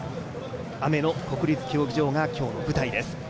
雨の国立競技場が今日の舞台です。